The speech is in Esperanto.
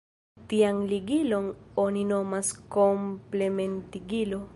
Tian ligilon oni nomas Komplementigilo.